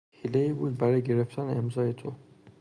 حیلهای بود برای گرفتن امضای تو